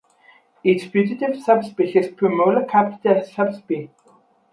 Its putative subspecies "Primula capitata" subsp.